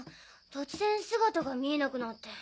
突然姿が見えなくなって。